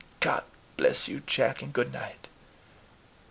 God bless you, Jack! and good night."